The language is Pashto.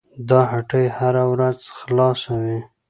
دا هټۍ هره ورځ خلاصه وي.